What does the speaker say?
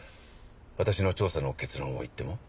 私の調査の結論を言っても？